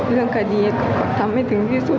เรื่องคดีทำให้ถึงที่สุด